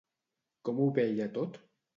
Com ho veia tot?